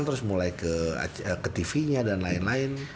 terus mulai ke tv nya dan lain lain